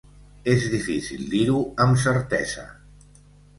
És difícil dir-ho amb certesa.